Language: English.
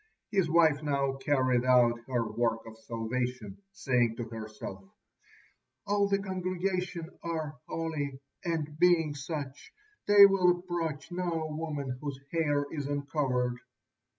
His wife now carried out her work of salvation, saying to herself: "All the congregation are holy, and being such, they will approach no woman whose hair is uncovered."